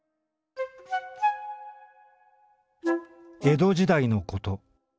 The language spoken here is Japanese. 「江戸時代のこと。